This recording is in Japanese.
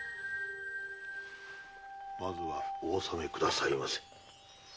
まずはお納めくださいませ。